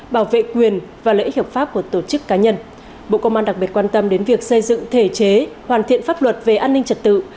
bộ công an đặc biệt quan tâm đến việc xây dựng thể chế hoàn thiện pháp luật về an ninh trật tự